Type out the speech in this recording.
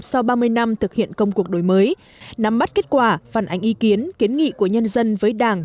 sau ba mươi năm thực hiện công cuộc đổi mới nắm bắt kết quả phản ánh ý kiến kiến nghị của nhân dân với đảng